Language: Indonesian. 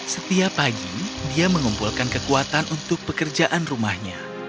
setiap pagi dia mengumpulkan kekuatan untuk pekerjaan rumahnya